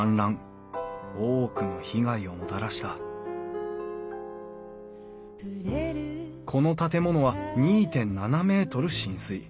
多くの被害をもたらしたこの建物は２．７ｍ浸水。